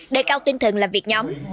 đề cao tinh thần làm việc nhóm